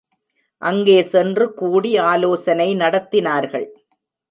அங்கே சென்று கூடி ஆலோசனை நடத்தினார்கள்.